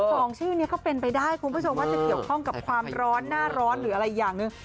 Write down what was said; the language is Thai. สองชื่อนี้ก็เป็นไปได้คุณผู้ชมว่าจะเกี่ยวข้องกับความร้อนหน้าร้อนหรืออะไรอย่างหนึ่ง